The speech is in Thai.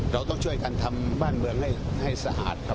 เราต้องช่วยกันทำบ้านเมืองให้สะอาดครับ